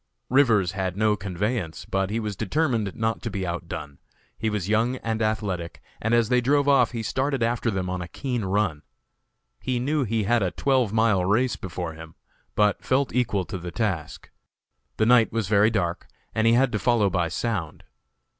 Rivers had no conveyance, but he was determined not to be outdone; he was young and athletic, and as they drove off he started after them on a keen run. He knew he had a twelve mile race before him, but felt equal to the task. The night was very dark, and he had to follow by sound.